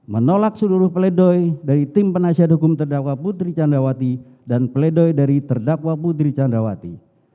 menolak seluruh peledoi dari tim penasihat hukum terdakwa putri candrawati dan pledoi dari terdakwa putri candrawati